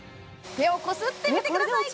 手をこすってみてください！